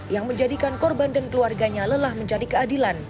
yang menjadikan korban dan keluarganya lelah mencari keadilan